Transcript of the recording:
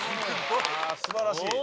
素晴らしい！